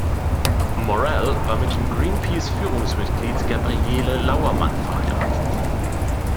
Morell war mit dem Greenpeace-Führungsmitglied Gabriele Lauermann verheiratet.